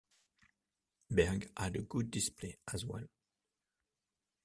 Berg had a good display as well.